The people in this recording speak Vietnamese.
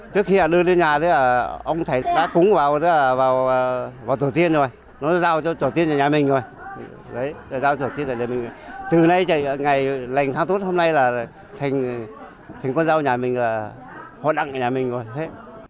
trước khi đưa đến nhà ông thầy đã cúng vào tổ tiên rồi nó giao cho tổ tiên nhà mình rồi từ nay đến ngày lần tháng tốt hôm nay là thành con dâu nhà mình rồi họ đặng nhà mình rồi